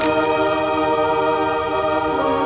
sama allah kami selalu mendoakan kamu